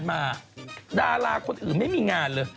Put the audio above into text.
สงการที่ผ่านมาดาราคนอื่นไม่มีงานเลย